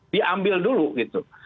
diambil dulu gitu